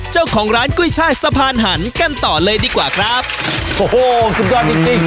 เจ้าของร้านกุ้ยช่ายสะพานหันกันต่อเลยดีกว่าครับโอ้โหสุดยอดจริงจริง